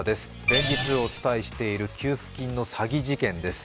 連日お伝えしている給付金の詐欺事件です。